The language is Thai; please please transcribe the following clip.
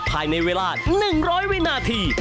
ภายในเวลา๑๐๐วินาที